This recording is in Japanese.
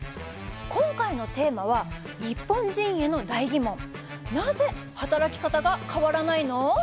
今回のテーマは「ニッポン人への大ギモンなぜ“働き方”が変わらないの？」。